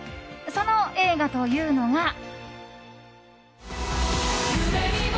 その映画というのが。